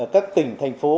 các tỉnh thành phố